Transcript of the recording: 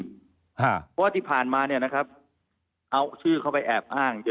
เพราะว่าที่ผ่านมาเนี่ยนะครับเอาชื่อเขาไปแอบอ้าง